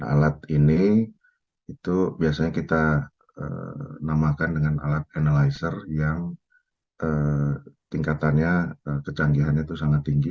alat ini itu biasanya kita namakan dengan alat annilizer yang tingkatannya kecanggihan itu sangat tinggi